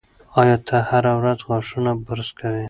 ایا ته هره ورځ غاښونه برس کوې؟